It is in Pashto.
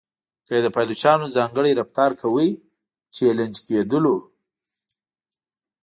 که یې د پایلوچانو ځانګړی رفتار کاوه چلنج کېدلو.